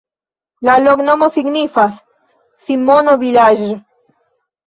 La loknomo signifas: Simono-vilaĝ'.